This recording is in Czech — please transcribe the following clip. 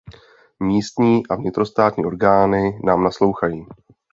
Místní a vnitrostátní orgány nám naslouchají.